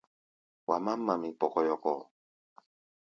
Wa mám mamí kpɔkɔyɔkɔ.